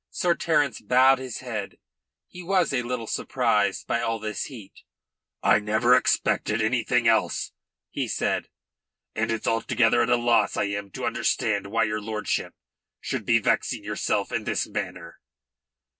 Sir Terence bowed his head. He was a little surprised by all this heat. "I never expected anything else," he said. "And it's altogether at a loss I am to understand why your lordship should be vexing yourself in this manner."